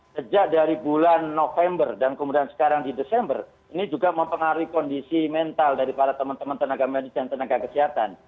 sejak dari bulan november dan kemudian sekarang di desember ini juga mempengaruhi kondisi mental dari para teman teman tenaga medis dan tenaga kesehatan